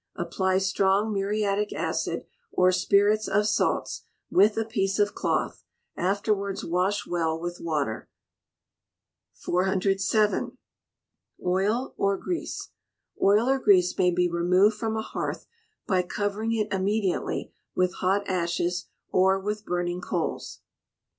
Apply strong muriatic acid, or spirits of salts, with a piece of cloth; afterwards wash well with water. 407. Oil or Grease may be removed from a hearth by covering it immediately with hot ashes, or with burning coals.